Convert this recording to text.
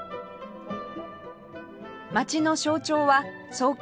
街の象徴は創建